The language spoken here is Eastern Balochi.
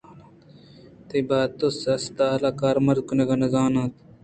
تئی بحت ءِ استال کارمرز کنگ ءَ نہ زان اَنت